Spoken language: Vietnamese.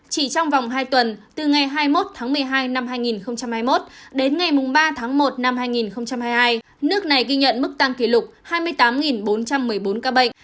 chỉ trong vòng hai tuần từ ngày hai mươi một tháng một mươi hai năm hai nghìn hai mươi một đến ngày ba tháng một năm hai nghìn hai mươi hai nước này ghi nhận mức tăng kỷ lục hai mươi tám bốn trăm một mươi bốn ca bệnh